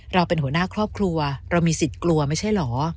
เราเป็นหัวหน้าครอบครัวเรามีสิทธิ์กลัวไม่ใช่เหรอ